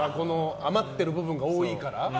余ってる部分が多いから？